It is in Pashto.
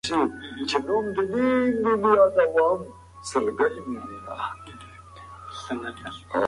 دا کار د یخچال تودوخه لوړوي.